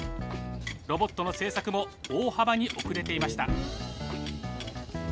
ロボットの制作も大幅に遅れていました。